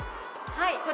はい。